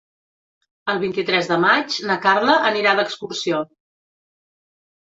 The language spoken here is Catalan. El vint-i-tres de maig na Carla anirà d'excursió.